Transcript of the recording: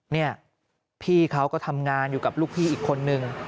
นี่พี่เขาก็ทำงานอยู่กับลูกพี่อีกคนนึง